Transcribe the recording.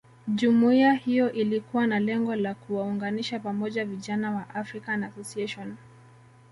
Jumuiya hiyo ilikuwa na lengo la kuwaunganisha pamoja vijana wa African Association